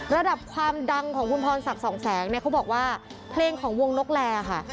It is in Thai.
ระดับความดังของคุณพรศักดิ์สองแสงเนี่ยเขาบอกว่าเพลงของวงนกแลค่ะ